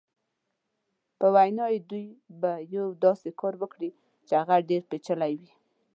په وینا یې دوی به یو داسې کار وکړي چې هغه ډېر پېچلی وي.